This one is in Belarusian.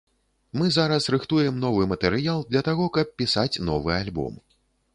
Мы зараз рыхтуем новы матэрыял для таго, каб пісаць новы альбом.